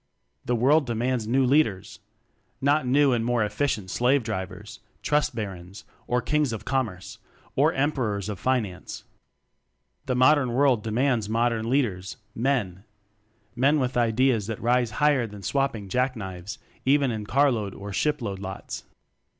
The World demands new Leaders! Not new and more "efficient" slave drivers Trust Barons, or Kings of Commerce, or Emperors of Finance. The Modern World demands mod ern Leaders, Men! Men with ideas that rise higher than swapping jack knives even in carload or shipload lots.